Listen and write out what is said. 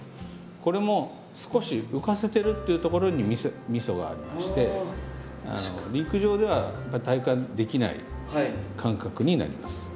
これも少し浮かせてるというところにみそがありまして陸上では体感できない感覚になります。